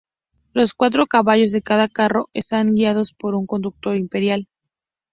Los cuatro caballos de cada carro están guiados por un conductor imperial.